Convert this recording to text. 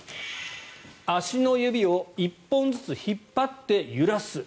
足の指を１本ずつ引っ張って揺らす。